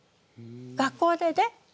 学校でね